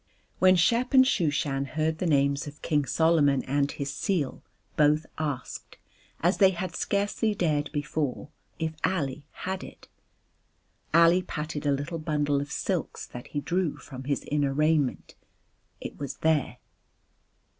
When Shep and Shooshan heard the names of King Solomon and his seal both asked, as they had scarcely dared before, if Ali had it. Ali patted a little bundle of silks that he drew from his inner raiment. It was there.